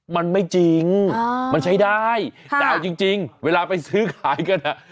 มันไม่จริงมันใช้ได้แต่เอาจริงเวลาไปซื้อขายกันอ่ะ